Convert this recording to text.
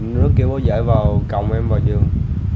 nó kêu bố dạy vào cộng em vào giường